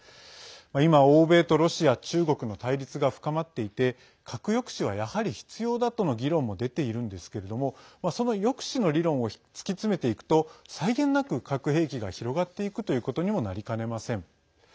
今、欧米とロシア、中国の対立が深まっていて核抑止はやはり必要だとの議論も出ているんですけれどもその抑止の議論をつき詰めていくと際限なく核兵器が広がっていくということにもなりかねません。